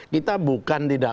kita bukan tidak